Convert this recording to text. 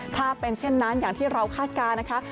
ถ้าเป็นเช่นนั้นอย่างที่เราคาดการณ์นะคะ